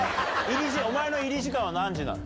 お前の入り時間は何時なの？